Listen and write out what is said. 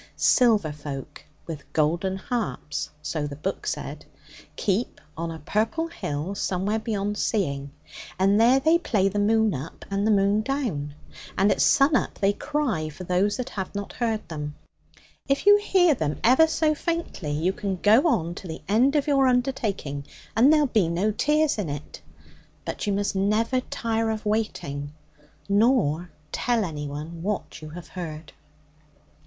Silver folk with golden harps, so the book said, keep on a purple hill somewhere beyond seeing, and there they play the moon up and the moon down. And at sun up they cry for those that have not heard them. If you hear them ever so faintly, you can go on to the end of your undertaking, and there'll be no tears in it. But you must never tire of waiting, nor tell anyone what you have heard.